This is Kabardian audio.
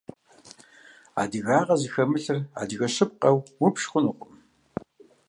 Адыгагъэ зыхэмылъыр адыгэ щыпкъэу убж хъунукъым.